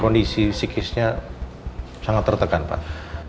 kondisi psikisnya sangat tertekan pak